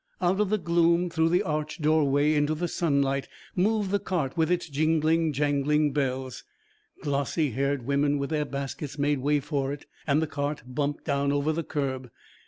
Out of the gloom, through the arched doorway into the sunlight moved the cart with its jingling, jangling bells. Glossy haired women with their baskets made way for it and the cart bumped down over the curb.